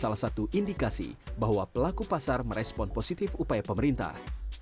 salah satu indikasi bahwa pelaku pasar merespon positif upaya pemerintah